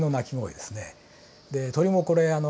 で鳥もこれあの。